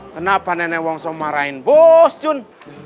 kenapa nenek wongsong marahin bos jun